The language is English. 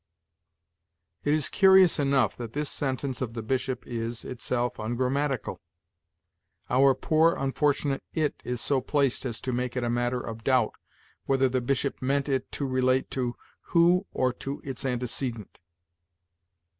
It is curious enough that this sentence of the Bishop is, itself, ungrammatical! Our poor unfortunate it is so placed as to make it a matter of doubt whether the Bishop meant it to relate to who or to its antecedent.